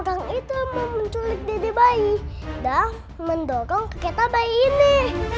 enggak orang itu mau menculik dede bayi dan mendogong keketa bayi ini